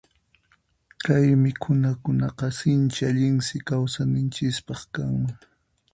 Kay mikhunakunaqa sinchi allinsi kawsayninchispaq kanman.